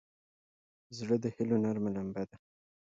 زړه د هيلو نرمه لمبه ده.